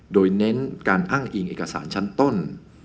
โดยเน้นการอ้างอิงเอกสารชั้นต้น